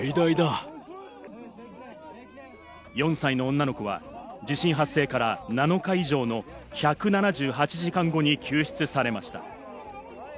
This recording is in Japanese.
４歳の女の子は地震発生から７日以上の１７８時間後に救出されました。